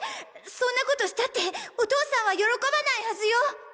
そんなことしたってお父さんは喜ばないはずよ！